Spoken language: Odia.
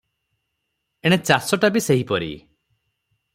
ଏଣେ ଚାଷଟା ବି ସେହିପରି ।